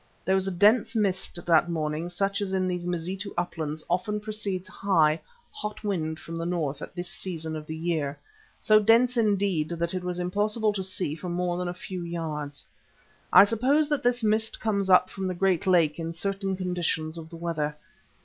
There was a dense mist that morning such as in these Mazitu uplands often precedes high, hot wind from the north at this season of the year, so dense indeed that it was impossible to see for more than a few yards. I suppose that this mist comes up from the great lake in certain conditions of the weather.